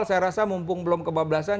maksudnya bisa mumpung belum ke dua belas an